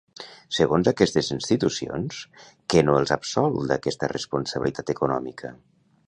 Segons aquestes institucions, què no els absol d'aquesta responsabilitat econòmica?